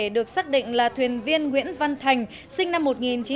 được xác định là thuyền viên nguyễn văn thành sinh năm một nghìn chín trăm tám mươi